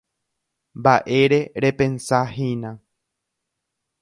Mba'ére repensahína.